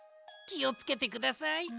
きをつけてください。